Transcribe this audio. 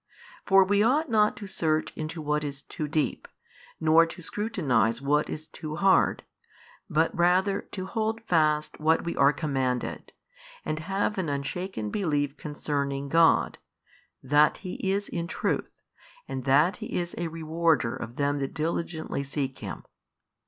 For we ought not to search into what is too deep, nor to scrutinize what is too hard, but rather to holdfast what we are commanded, and have an unshaken belief concerning God, that He is in truth, and that He is a Rewarder of them that diligently seek Him.